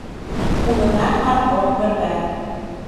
Улына пар оҥгыр гай.